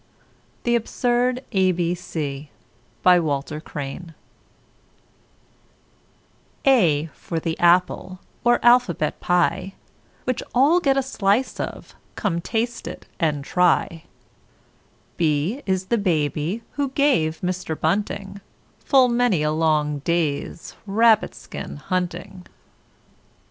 [Illustration: ABCD] A for the APPLE or Alphabet pie, Which all get a slice of. Come taste it & try. B is the BABY who gave Mr Bunting Full many a long day's rabbit skin hunting.